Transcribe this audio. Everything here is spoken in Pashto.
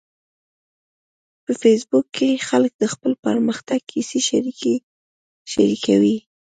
په فېسبوک کې خلک د خپل پرمختګ کیسې شریکوي